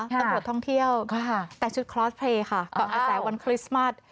ตำรวจท่องเที่ยวแต่ชุดคลอสเพลย์ค่ะเกาะกระแสวันคริสต์มัส